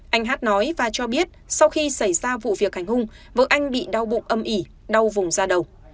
anh hát nói và cho biết sau khi xảy ra vụ việc hành hung vợ anh bị đau bụng âm ỉ đau vùng da đầu